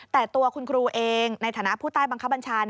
แต่ตัวคุณครูเองในฐานะผู้ใต้บังคับบัญชา